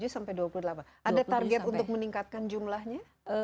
dua puluh tujuh sampai dua puluh delapan ada target untuk meningkatkan jumlahnya